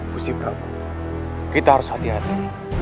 bersih prabu kita harus hati hati